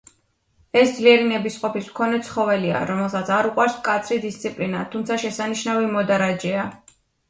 ეს ძლიერი ნებისყოფის მქონე ცხოველია, რომელსაც არ უყვარს მკაცრი დისციპლინა, თუმცა შესანიშნავი მოდარაჯეა.